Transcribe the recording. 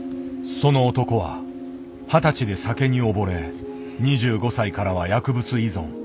その男は二十歳で酒に溺れ２５歳からは薬物依存。